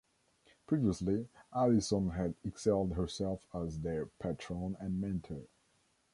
Previously, Allison had excelled herself as their patron and mentor.